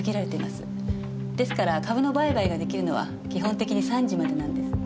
ですから株の売買ができるのは基本的に３時までなんです。